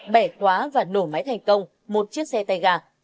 bẻ tóa và nổ máy thành công một chiếc xe tay gà